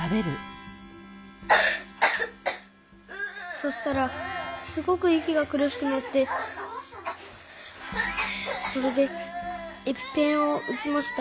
そしたらすごくいきがくるしくなってそれでエピペンをうちました。